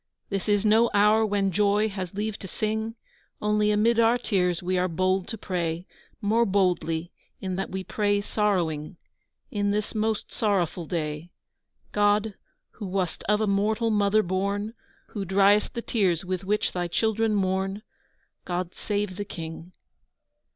This is no hour when joy has leave to sing; Only, amid our tears, we are bold to pray, More boldly, in that we pray sorrowing, In this most sorrowful day. God, who wast of a mortal Mother born, Who driest the tears with which Thy children mourn, God, save the King!